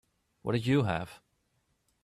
What did you have?